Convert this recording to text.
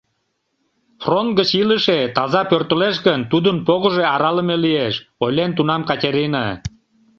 «Фронт гыч илыше, таза пӧртылеш гын, тудын погыжо аралыме лиеш», — ойлен тунам Катерина.